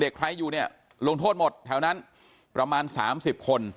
ใครอยู่เนี่ยลงโทษหมดแถวนั้นประมาณ๓๐คน